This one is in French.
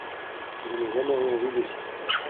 Je n'ai jamais rien vu d'aussi touchant.